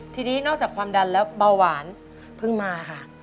ทีนี้นอกจากความดันแล้วเบาหวานเพิ่งมาค่ะ